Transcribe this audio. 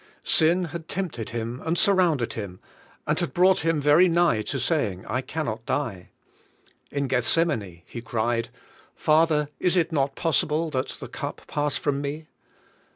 Sin had tempted Him, and sur rounded Him, and had brought Him very nigh to saying, "I cannot die." In Gethsemane Hecried: "Father, is it not possible that the cup pass from me?"